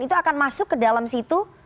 itu akan masuk ke dalam situ